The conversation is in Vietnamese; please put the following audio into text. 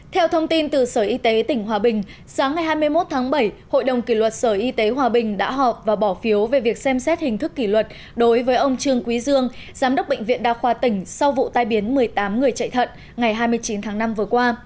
theo thông tin từ sở y tế tỉnh hòa bình sáng ngày hai mươi một tháng bảy hội đồng kỷ luật sở y tế hòa bình đã họp và bỏ phiếu về việc xem xét hình thức kỷ luật đối với ông trương quý dương giám đốc bệnh viện đa khoa tỉnh sau vụ tai biến một mươi tám người chạy thận ngày hai mươi chín tháng năm vừa qua